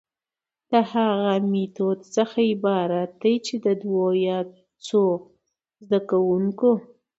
د هغه ميتود څخه عبارت دي چي د دوو يا څو زده کوونکو،